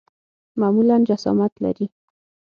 معمولاً جسامت لري.